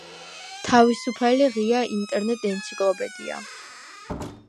თავისუფალი ღია ინტერნეტ ენციკლოპედია.